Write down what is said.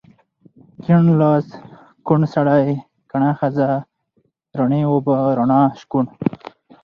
کيڼ لاس، کوڼ سړی، کڼه ښځه، رڼې اوبه، رڼا، شکوڼ